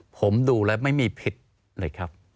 ผมดูแล้วไม่มีผิดเลยครับ